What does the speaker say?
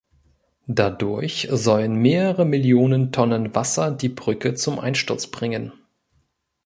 Dadurch sollen mehrere Millionen Tonnen Wasser die Brücke zum Einsturz bringen.